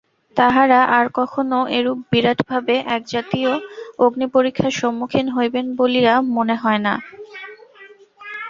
তাঁহারা আর কখনও এরূপ বিরাট ভাবে এইজাতীয় অগ্নিপরীক্ষার সম্মুখীন হইবেন বলিয়া মনে হয় না।